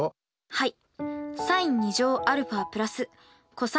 はい。